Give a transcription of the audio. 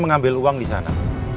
mengambil uang di sana